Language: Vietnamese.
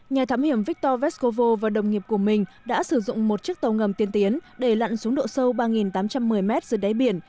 nhà thám hiểm viktor veskovo và đồng nghiệp của mình đã sử dụng một chiếc tàu ngầm tiên tiến để lặn xuống độ sâu ba tám trăm một mươi mét dưới đáy biển